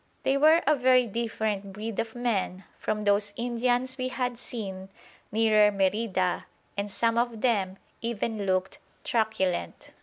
They were a very different breed of men from those Indians we had seen nearer Merida, and some of them even looked truculent.